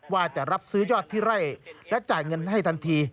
ว่าจะรับซื้อยอดที่ไร่และจ่ายเงินให้ทันที